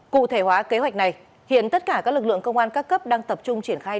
cụ thể hóa kế hoạch này hiện tất cả các lực lượng công an các cấp đang tập trung triển khai